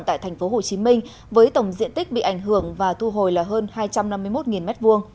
tại tp hcm với tổng diện tích bị ảnh hưởng và thu hồi là hơn hai trăm năm mươi một m hai